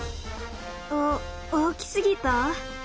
お大きすぎた？